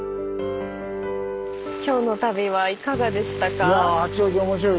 今日の旅はいかがでしたか？